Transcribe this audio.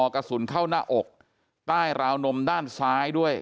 กระสุนเข้าหน้าอกใต้ราวนมด้านซ้ายด้วย